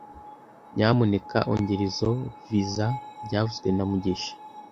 Nyamuneka ongera izoi viza byavuzwe na mugisha